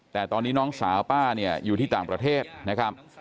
แต่ตอนนี้น้องสาวป้าเนี่ยอยู่ที่ต่างประเทศนะครับ